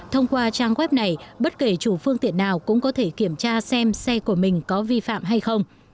thông qua trang web này bất kể chủ phương tiện nào cũng có thể kiểm tra xem xe của mình có vi phạm hay không